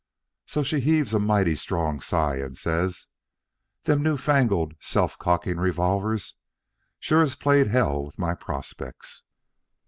"So she heaves a mighty strong sigh and says, 'Them new fangled, self cocking revolvers sure has played hell with my prospects.'